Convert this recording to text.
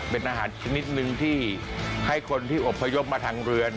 เป็นอาหารชนิดนึงที่ให้คนที่อบพยพมาทางเรือ